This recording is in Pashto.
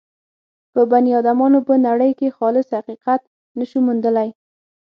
په بني ادمانو به نړۍ کې خالص حقیقت نه شو موندلای.